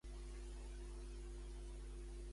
Trucar a la Universitat Autònoma de Barcelona.